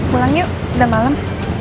pulang yuk udah malem